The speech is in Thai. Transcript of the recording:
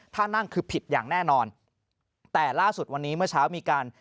ถ้านั่งคือผิดอย่างแน่นอนแต่ล่าสุดวันนี้เมื่อเช้ามีการ